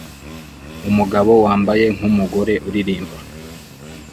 Umugabo wambaye nkumugore uririmba